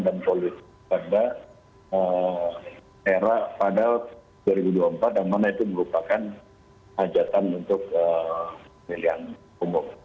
dan politik pada era pada dua ribu dua puluh empat yang mana itu merupakan ajatan untuk pilihan umum